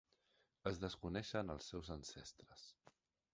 Es desconeixen els seus ancestres.